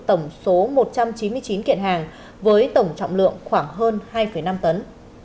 tổng số một trăm chín mươi chín kiện hàng với tổng trọng lượng khoảng hơn hai năm tấn